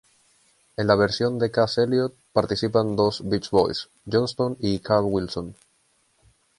En la versión de Cass Elliot participan dos "beach boys", Johnston y Carl Wilson.